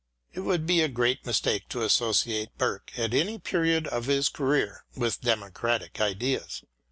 It would be a great mistake to associate Burke at any period of his career with democratic ideas.